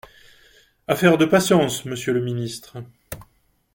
Affaire de patience, monsieur le ministre.